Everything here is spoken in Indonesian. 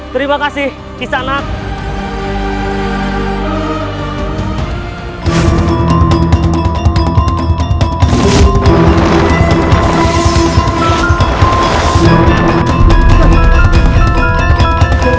terima kasih kisah nak